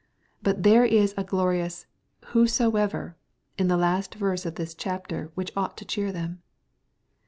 But there is a glorioai whosoever" in the last verse of this chapter which ought to cheer them.